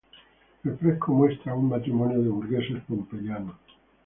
El fresco muestra a un matrimonio de burgueses pompeyanos.